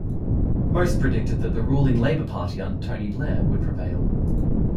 Most predicted that the ruling Labour Party under Tony Blair would prevail.